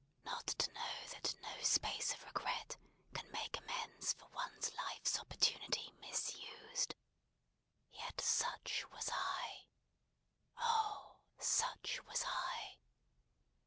Not to know that no space of regret can make amends for one life's opportunity misused! Yet such was I! Oh! such was I!"